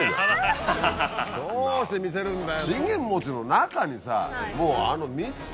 どうして見せるんだよ。